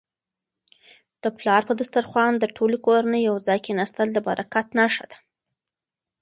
د پلار په دسترخوان د ټولې کورنی یو ځای کيناستل د برکت نښه ده.